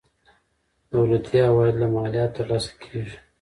دولتي عواید له مالیاتو ترلاسه کیږي.